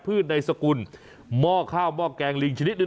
ยืนยันว่าม่อข้าวมาแกงลิงทั้งสองชนิด